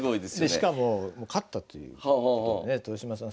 でしかも勝ったということもね豊島さん